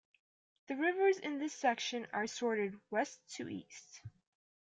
The rivers in this section are sorted west to east.